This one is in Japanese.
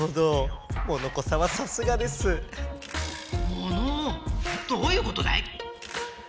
モノオどういうことだい？